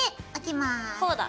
こうだ！